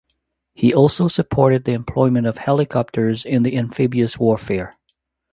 He also supported the employment of helicopters in the Amphibious Warfare.